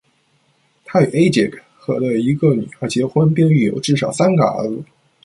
他与 Ajige 的一个女儿结婚，并育有至少三个儿子。